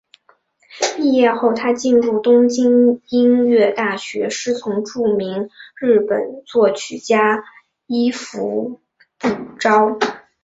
毕业后她进入东京音乐大学师从著名日本作曲家伊福部昭。